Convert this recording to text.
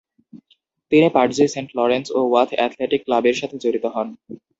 তিনি Pudsey saint Lawrence ও Wath athletic ক্লাবের সাথে জড়িত হন।